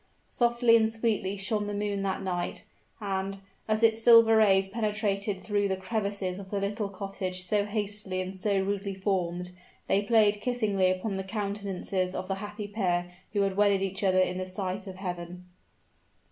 Softly and sweetly shone the moon that night; and, as its silver rays penetrated through the crevices of the little cottage so hastily and so rudely formed, they played kissingly upon the countenances of the happy pair who had wedded each other in the sight of Heaven.